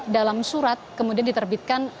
dalam surat kemudian diterbitkan